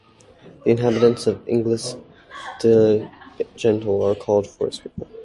The inhabitants of Engstligental are called forest people.